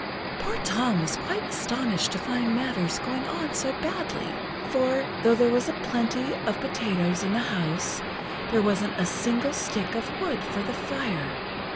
Poor Tom was quite astonished to find matters going on so badly, for, though there was a plenty of potatoes in the house, there wasn't a single stick of wood for the fire.